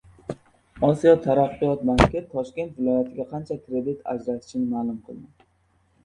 "Osiyo taraqqiyot banki" Toshkent viloyatiga qancha kredit ajratishini ma’lum qildi